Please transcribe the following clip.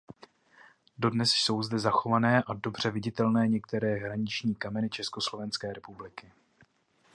Dodnes jsou zde zachované a dobře viditelné některé hraniční kameny Československé republiky.